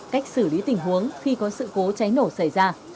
cách xử lý tình huống khi có sự cố cháy nổ xảy ra